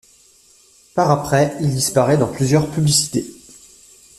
Par après, il apparaît dans plusieurs publicités.